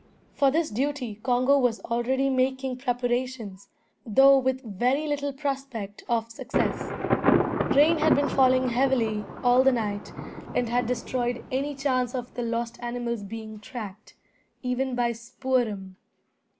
For this duty Congo was already making preparations, though with very little prospect of success. Rain had been falling heavily all the night, and had destroyed any chance of the lost animals being tracked, even by Spoor'em.